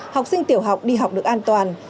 học sinh tiểu học đi học được an toàn